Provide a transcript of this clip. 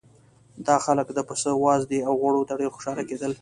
دا خلک د پسه وازدې او غوړو ته ډېر خوشاله کېدل.